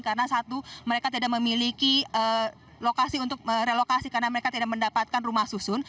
karena satu mereka tidak memiliki lokasi untuk relokasi karena mereka tidak mendapatkan rumah susun